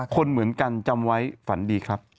คนเหมือนกันจำไว้ฝันดีครับ